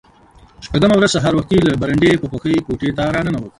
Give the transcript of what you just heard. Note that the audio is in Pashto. شپږمه ورځ سهار وختي له برنډې په خوښۍ کوټې ته را ننوت.